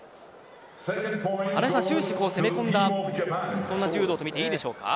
終始攻め込んだ柔道と見ていいでしょうか。